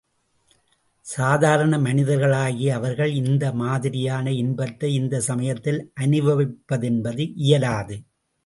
சாதாரண மனிதர்களாகிய அவர்கள் இந்த மாதிரியான இன்பத்தை இந்தச் சமயத்தில் அனுபவிப்பதென்பது இயலாது.